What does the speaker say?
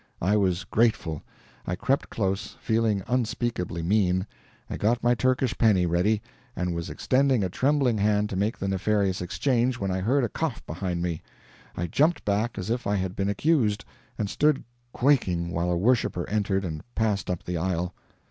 I was grateful. I crept close, feeling unspeakably mean; I got my Turkish penny ready, and was extending a trembling hand to make the nefarious exchange, when I heard a cough behind me. I jumped back as if I had been accused, and stood quaking while a worshiper entered and passed up the aisle.